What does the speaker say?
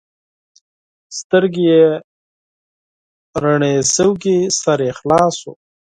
سترګې یې رڼې شوې؛ سر یې خلاص شو.